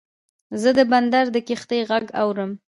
زه د بندر د کښتۍ غږ اورم.